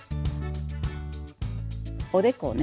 おでこね。